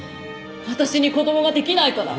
私に子供ができないから？